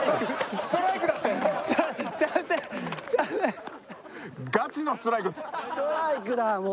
ストライクだもう。